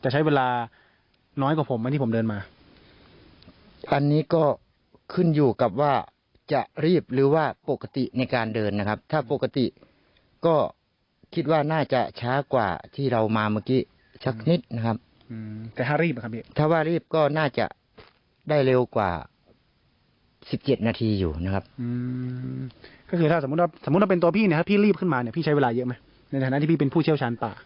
กว่าที่ผมเดินมาอันนี้ก็ขึ้นอยู่กับว่าจะรีบหรือว่าปกติในการเดินนะครับถ้าปกติก็คิดว่าน่าจะช้ากว่าที่เรามาเมื่อกี้ชักนิดนะครับอืมแต่ถ้ารีบนะครับพี่ถ้าว่ารีบก็น่าจะได้เร็วกว่าสิบเจ็ดนาทีอยู่นะครับอืมก็คือถ้าสมมุติว่าสมมุติว่าเป็นตัวพี่เนี้ยพี่รีบขึ้นมาเนี้ยพี่ใช้เวลาเยอะไหม